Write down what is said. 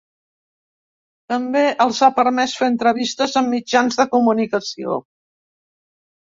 També els ha permès fer entrevistes amb mitjans de comunicació.